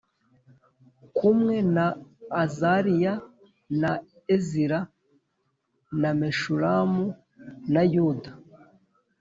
kumwe na Azariya na Ezira na Meshulamu na Yuda